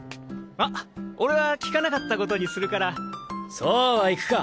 あ俺は聞かなった事にするから。そうはいくか！